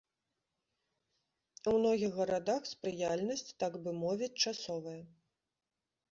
У многіх гарадах спрыяльнасць, так бы мовіць, часовая.